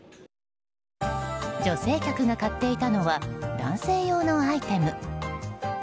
女性客が買っていたのは男性用のアイテム。